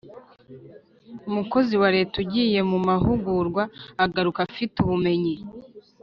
Umukozi wa Leta ugiye mu mahugurwa agaruka afite ubumenyi